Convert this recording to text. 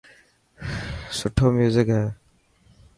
سٺو ميوزڪ هي.